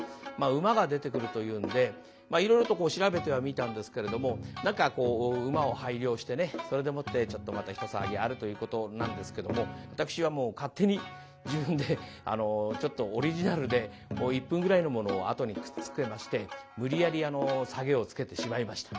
馬が出てくるというんでいろいろと調べてはみたんですけれども何かこう馬を拝領してねそれでもってちょっとまた一騒ぎあるということなんですけども私はもう勝手に自分でちょっとオリジナルで１分ぐらいのものをあとにくっつけまして無理やりサゲをつけてしまいました。